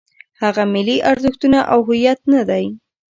هغه ملي ارزښتونه او هویت نه دی.